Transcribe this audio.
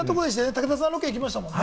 武田さん、取材行きましたもんね。